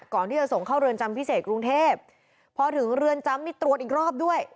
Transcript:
ก่อนที่จะส่งเข้าเรือนจำพิเศษกรุงเทพพอถึงเรือนจำนี่ตรวจอีกรอบด้วย